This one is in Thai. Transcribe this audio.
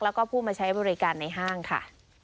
แล้วก็ผู้มาใช้บริการในห้างค่ะ